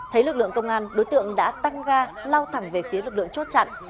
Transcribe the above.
thấy lực lượng công an đối tượng đã tăng ga lao thẳng về phía lực lượng chốt chặn